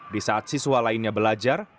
di saat siswa lainnya belajar